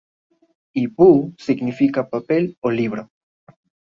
Y "vuh" significa ‘papel’ o ‘libro’.